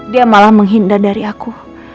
dia malah menghindar dari aku